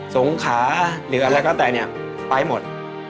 สงขาหรืออะไรก็แต่เนี่ยไปหมด